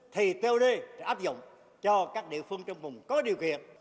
thì tod sẽ áp dụng cho các địa phương trong vùng có điều kiện